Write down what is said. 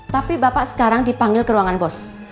tapi bapak sekarang dipanggil ke ruangan bos